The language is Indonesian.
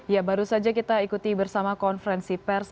ya baru saja kita ikuti bersama konferensi pers